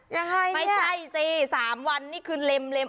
ไม่ใช่สิ๓วันนี่คือเลม